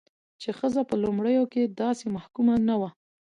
چې ښځه په لومړيو کې داسې محکومه نه وه،